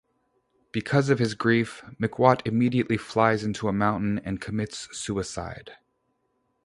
Because of his grief, McWatt immediately flies into a mountain and commits suicide.